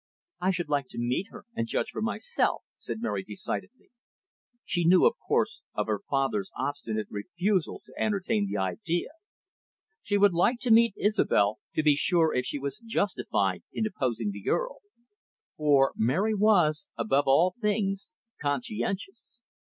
"I should like to meet her, and judge for myself," said Mary decidedly. She knew, of course, of her father's obstinate refusal to entertain the idea. She would like to meet Isobel, to be sure if she was justified in opposing the Earl. For Mary was, above all things, conscientious.